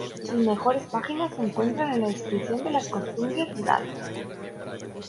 Sus mejores páginas se encuentran en la descripción de las costumbres rurales.